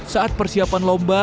saat persiapan lomba